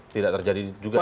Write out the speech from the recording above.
tidak terjadi juga itu